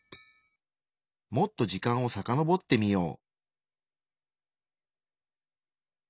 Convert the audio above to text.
もっと時間をさかのぼってみよう。